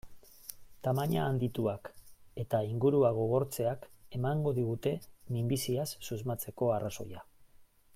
Tamaina handituak eta ingurua gogortzeak emango digute minbiziaz susmatzeko arrazoia.